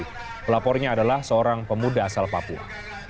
pelapornya adalah seorang pemuda asal papua